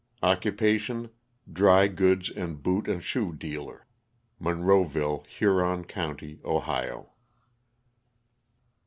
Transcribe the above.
Occupation, dry goods and boot and shoe dealer, Monroeville, Huron county, Ohio.